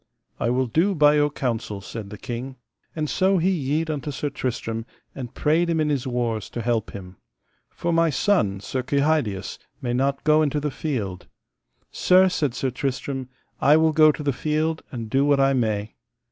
I will do by your counsel, said the king. And so he yede unto Sir Tristram, and prayed him in his wars to help him: For my son, Sir Kehydius, may not go into the field. Sir, said Sir Tristram, I will go to the field and do what I may.